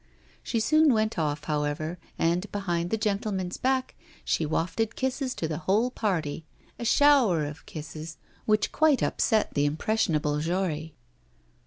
She soon went off, however, and behind the gentleman's back she wafted kisses to the whole party, a shower of kisses which quite upset the impressionable Jory.